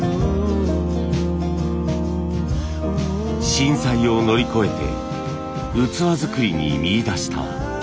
震災を乗り越えて器作りに見いだした希望。